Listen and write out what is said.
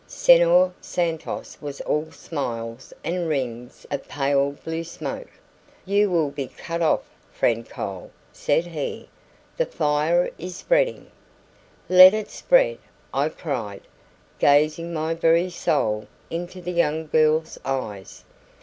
Senhor Santos was all smiles and rings of pale blue smoke. "You will be cut off, friend Cole," said he. "The fire is spreading." "Let it spread!" I cried, gazing my very soul into the young girl's eyes.